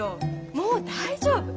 もう大丈夫。